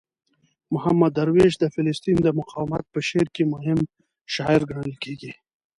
محمود درویش د فلسطین د مقاومت په شعر کې مهم شاعر ګڼل کیږي.